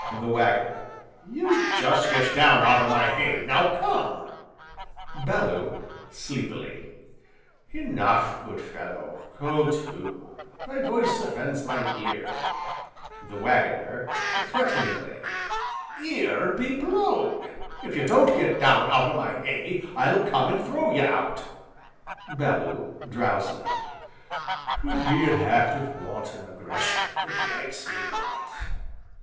THE WAGGONER. You jest get down out o' my hay, now come! BELLEW. (Sleepily) Enough, good fellow, go to! thy voice offends mine ear! THE WAGGONER. (Threateningly) Ear be blowed! If ye don't get down out o' my hay, I'll come an' throw ye out. BELLEW. (Drowsily) 'Twould be an act of wanton aggression that likes me not.